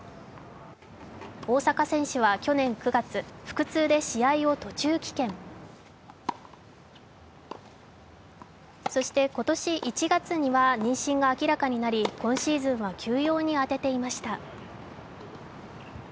大坂選手は去年９月腹痛で試合を途中棄権、そして今年１月には妊娠が明らかになり今シーズンは休養にあてていました。